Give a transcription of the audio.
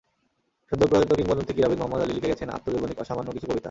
সদ্যপ্রয়াত কিংবদন্তি ক্রীড়াবিদ মোহাম্মদ আলী লিখে গেছেন আত্মজৈবনিক অসামান্য কিছু কবিতা।